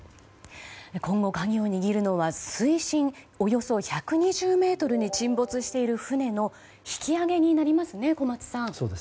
今後、鍵を握るのは水深およそ１２０ｍに沈没している船の引き揚げになりますね小松さん。